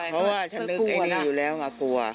เพราะว่าฉันนึกไอ้นี่อยู่แล้วไงกลัว